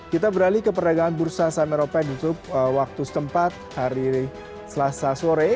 kita beralih ke perdagangan bursa sam europe di youtube waktu setempat hari selasa sore